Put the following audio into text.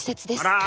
あら。